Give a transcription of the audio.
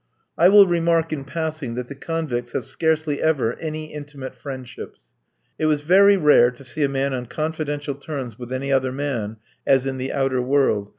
I will remark in passing that the convicts have scarcely ever any intimate friendships. It was very rare to see a man on confidential terms with any other man, as, in the outer world.